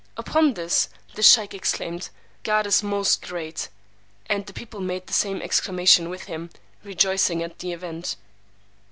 Upon this, the sheykh exclaimed, God is most great! and the people made the same exclamation with him, rejoicing at the event.